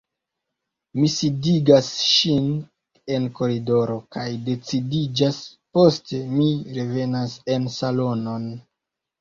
Mi sidigas ŝin en koridoro kaj decidiĝas, poste mi revenas en salonon.